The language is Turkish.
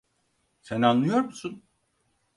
Sen anlıyor musun?